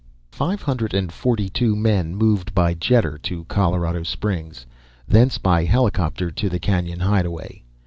Five hundred and forty two men moved by jetter to Colorado Springs; thence, by helicopter, to the canyon hideaway.